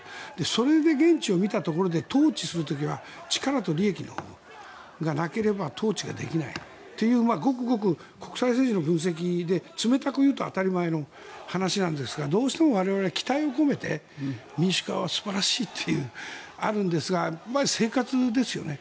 それで現地を見たところで統治する時は力と利益がなければ統治ができないというごくごく国際政治の分析で冷たく言うと当たり前の話ですがどうしても我々は期待を込めて民主化は素晴らしいっていうのがあるんですが生活ですよね。